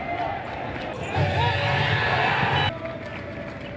ขอบคุณทุกคน